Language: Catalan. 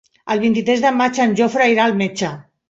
El vint-i-tres de maig en Jofre irà al metge.